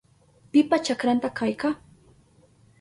¿Pipa chakranta kayka?